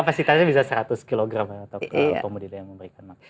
pasti tanya bisa seratus kg atau kemudian memberikan makan